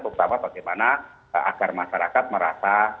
terutama bagaimana agar masyarakat merasa